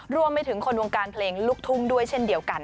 รวมไปถึงคนวงการเพลงลูกทุ่งด้วยเช่นเดียวกัน